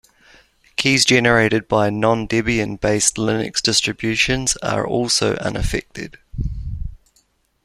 Keys generated by non-Debian-based Linux distributions are also unaffected.